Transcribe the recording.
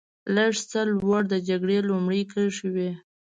لږ څه لوړ د جګړې لومړۍ کرښې وې.